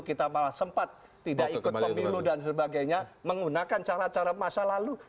kita malah sempat tidak ikut pemilu dan sebagainya menggunakan cara cara masa lalu